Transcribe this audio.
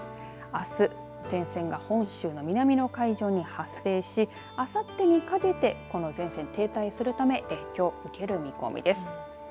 あす、前線が本州の南の海上に発生しあさってにかけてこの前線、停滞するため影響を受ける見込みです。